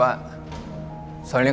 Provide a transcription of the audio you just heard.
soalnya kalau gue kesana